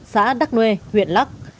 xã đắk nhuê huyện lắk